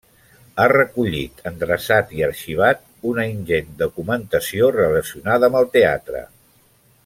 Ha recollit, endreçat i arxivat una ingent documentació relacionada amb el teatre.